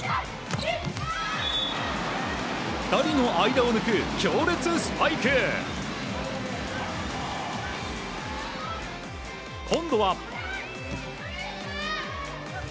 ２人の間を抜く強烈スパイク！今度は。